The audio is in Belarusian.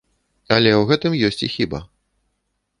Але ў гэтым ёсць і хіба.